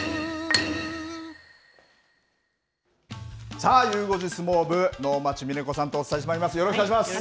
さあ、ゆう５時相撲部能町みね子さんとお伝えしてまいります。